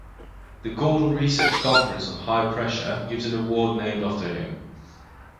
The Gordon Research Conference on High Pressure gives an award named after him.